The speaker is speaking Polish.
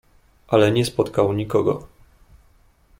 "Ale nie spotkał nikogo."